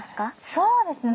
そうですね。